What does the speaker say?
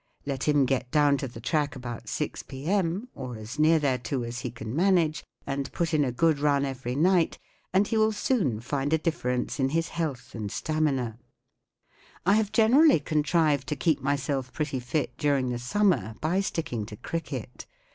Let him get down to the track about six p.m,, or as near thereto as he can tnanage, and put in a good run every night, and he will soon find a difference in his health and stamina, 1 have generally contrived to keep myself pretty fit during the summer by sticking to cricket.